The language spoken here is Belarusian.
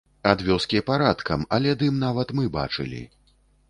Ад вёскі парадкам, але дым нават мы бачылі.